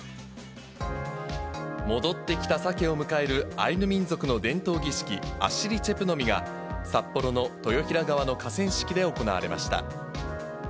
戻ってきたサケを迎えるアイヌ民族の伝統儀式、アシリ・チェプ・ノミが札幌の豊平川の河川敷で行われました。